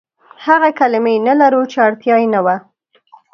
هغه کلمې نه لرو، چې اړتيا يې نه وه.